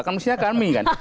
kan mestinya kami kan